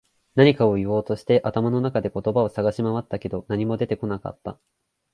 何かを言おうとして、頭の中で言葉を探し回ったけど、何も出てこなかった。